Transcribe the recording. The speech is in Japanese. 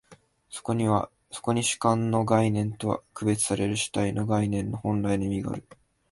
そこに主観の概念とは区別される主体の概念の本来の意味がある。